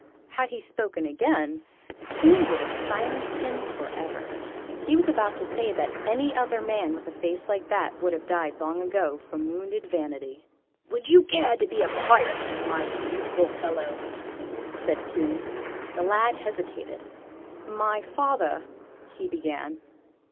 Had he spoken again, Tomb would have silenced him for ever. He was about to say that any other man with a face like that would have died long ago, from wounded vanity. [Illustration: From a very rare old print.] "Would you care to be a Pirate, my youthful fellow?" said Tomb. The lad hesitated. "My father ..." he began.